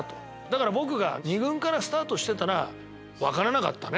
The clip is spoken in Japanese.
だから僕が２軍からスタートしてたら分からなかった。